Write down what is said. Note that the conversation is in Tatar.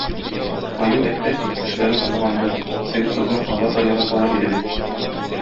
Аю-Әппәз иптәшләрен кызганды: теге кызны алар да яраталар иде бит.